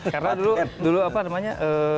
karena dulu dulu apa namanya